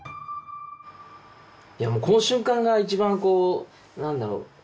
いやもうこの瞬間が一番こう何だろう？